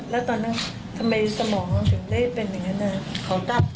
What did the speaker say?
แล้วตอนนั้นทำไมสมองเราถึงได้เป็นอย่างนั้น